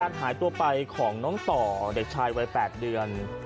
หายตัวไปของน้องต่อเด็กชายวัย๘เดือน